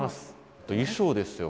あと衣装ですよ